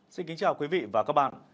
xin kính chào quý vị và các bạn